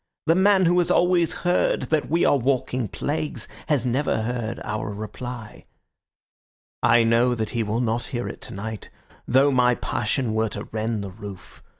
The man who has always heard that we are walking plagues has never heard our reply. I know that he will not hear it tonight, though my passion were to rend the roof.